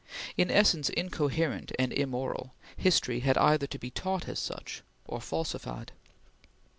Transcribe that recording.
In essence incoherent and immoral, history had either to be taught as such or falsified.